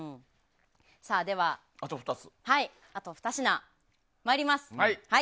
では、あと２品、参ります。